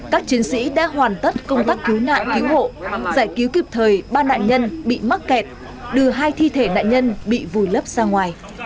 các chiến sĩ đã hoàn tất công tác cứu nạn cứu hộ giải cứu kịp thời ba nạn nhân bị mắc kẹt đưa hai thi thể nạn nhân bị vùi lấp ra ngoài